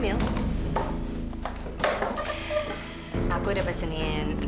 ini emang situasi yang sulit untuk kita